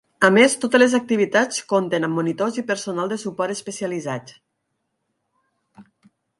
A més totes les activitats compten amb monitors i personal de suport especialitzats.